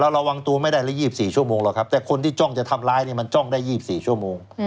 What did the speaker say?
ระวังตัวไม่ได้ละ๒๔ชั่วโมงหรอกครับแต่คนที่จ้องจะทำร้ายเนี่ยมันจ้องได้๒๔ชั่วโมง